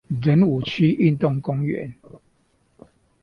仁武區運動公園